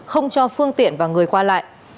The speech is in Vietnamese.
không cho phương tiện và người qua lại